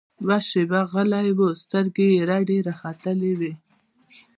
يوه شېبه غلى و سترګې يې رډې راختلې وې.